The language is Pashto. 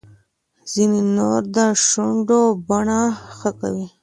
ځینې نور د شونډو بڼه ښه کوي.